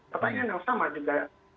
pertanyaan yang sama juga